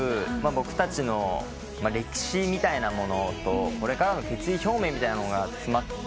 僕たちの歴史みたいなものとこれからの決意表明みたいなのが詰まってたりしてて。